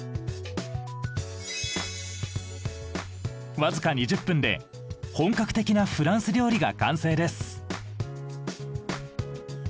僅か２０分で本格的なフランス料理が完成です。